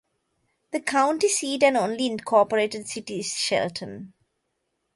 The county seat and only incorporated city is Shelton.